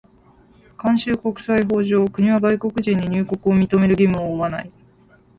慣習国際法上、国は外国人に入国を認める義務を負わない。